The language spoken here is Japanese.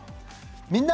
「みんな！